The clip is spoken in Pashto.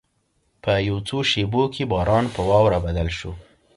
په یو څو شېبو کې باران په واوره بدل شو.